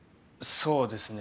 そうですね。